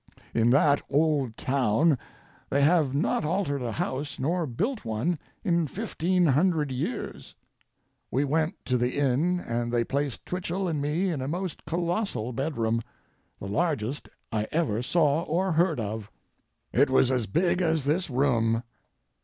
In that old town they have not altered a house nor built one in 1500 years. We went to the inn and they placed Twichell and me in a most colossal bedroom, the largest I ever saw or heard of. It was as big as this room.